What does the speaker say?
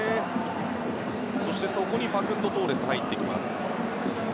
そしてそこにファクンド・トーレスが入ってきます。